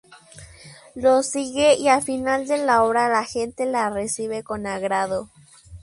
Lo sigue y al final de la obra la gente la recibe con agrado.